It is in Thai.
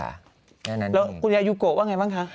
แล้วคุณยายยูโกะว่าอย่างไรบ้างคะ